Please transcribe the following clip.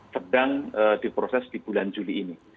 sedang diproses di bulan juli ini